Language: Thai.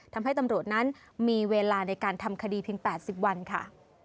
ทำให้ตำรวจนั้นมีเวลาในการทำคดีเพียง๘๐วันค่ะ